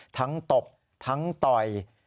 ทั้งตบทั้งต่อย